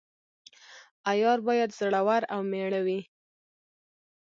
عیار باید زړه ور او میړه وي.